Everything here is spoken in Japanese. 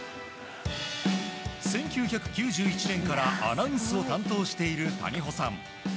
１９９１年からアナウンスを担当している谷保さん。